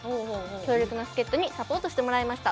強力な助っ人にサポートしてもらいました。